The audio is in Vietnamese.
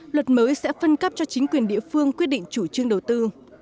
luật mới sẽ phân cấp cho chính quyền địa phương quyết định chủ trương đầu tư